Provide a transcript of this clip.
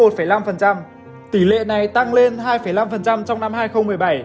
tỷ lệ này tăng lên hai năm trong năm hai nghìn một mươi bảy